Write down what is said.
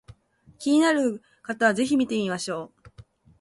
気になる方は是非見てみましょう